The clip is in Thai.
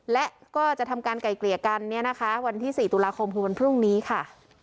และก็จะทำการไก่เกลี่ยกันเนี่ยนะคะวันที่๔ตุลาคมคือวันพรุ่งนี้ค่ะ